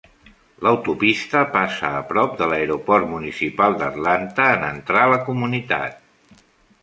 L'autopista passa a prop de l'aeroport municipal d'Atlanta en entrar a la comunitat.